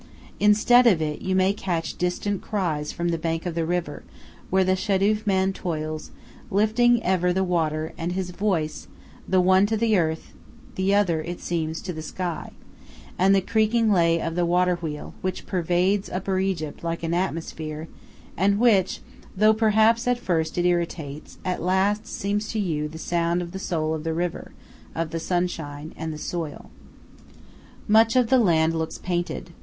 Instead of it, you may catch distant cries from the bank of the river, where the shadoof man toils, lifting ever the water and his voice, the one to earth, the other, it seems, to sky; and the creaking lay of the water wheel, which pervades Upper Egypt like an atmosphere, and which, though perhaps at first it irritates, at last seems to you the sound of the soul of the river, of the sunshine, and the soil. Much of the land looks painted.